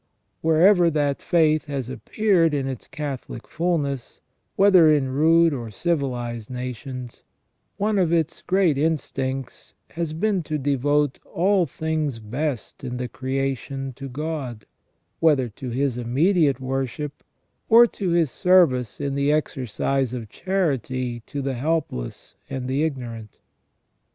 Wherever that faith has appeared in its Catholic fulness, whether in rude or civilised nations, one of its great instincts has been to devote all things best in the creation to God, whether to His immediate worship, or to His service in the exercise of charity to the helpless and the ignorant.